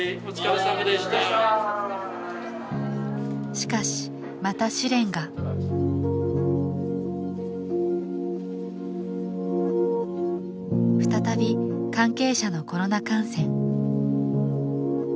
しかしまた試練が再び関係者のコロナ感染